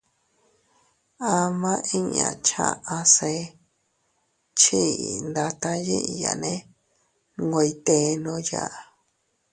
Ama inña chaʼa see chii ndatta yiʼiyane nwe ytennoya.